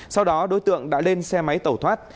sau đó đối tượng đã lên xe máy tẩu thoát